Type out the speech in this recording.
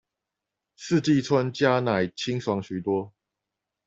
四季春加奶清爽許多